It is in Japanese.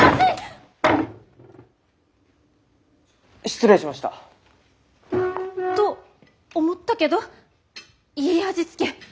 失礼しました。と思ったけどいい味付け。